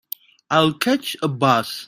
I'll catch a bus.